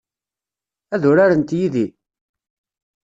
Ad urarent yid-i?